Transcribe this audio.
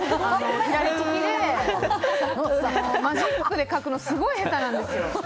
左利きで、マジックで書くのすごい下手なんですよ。